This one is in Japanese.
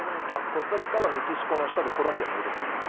コスタリカはメキシコの下でコロンビアの上です。